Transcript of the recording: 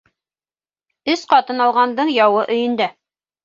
Өс ҡатын алғандың яуы өйөндә.